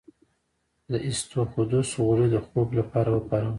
د اسطوخودوس غوړي د خوب لپاره وکاروئ